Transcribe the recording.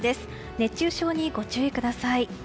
熱中症にご注意ください。